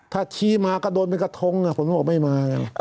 ถ้าชี้มาก็โดนเป็นกระทงผมว่าไม่มา